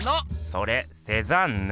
それセザンヌ！